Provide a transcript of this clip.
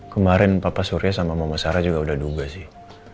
kemarin papa surya sama mama sarah juga udah duga sih